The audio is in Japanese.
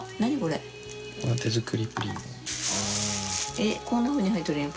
えっこんなふうに入っとるやん。